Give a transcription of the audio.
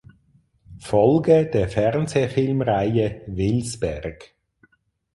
Folge der Fernsehfilmreihe "Wilsberg".